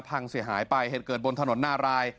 พังเสียหายไปเหตุเกิดบนถนนนาราย